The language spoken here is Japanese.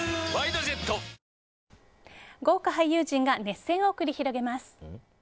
豪華俳優陣が熱戦を繰り広げます。